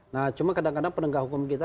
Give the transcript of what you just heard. nah cuma kadang kadang penegak hukum kita